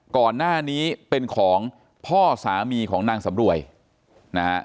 ก่อนหน้านี้เป็นของพ่อสามีของนางสำรวยนะฮะ